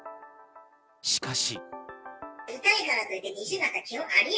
しかし。